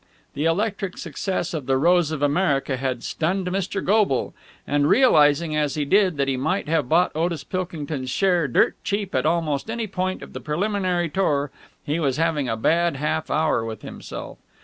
'" The electric success of "The Rose of America" had stunned Mr. Goble; and realizing, as he did, that he might have bought Otis Pilkington's share dirt cheap at almost any point of the preliminary tour, he was having a bad half hour with himself.